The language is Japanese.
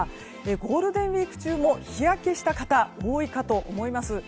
ゴールデンウィーク中も日焼けした方多いかと思います。